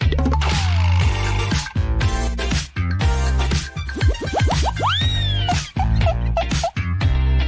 สวัสดีครับ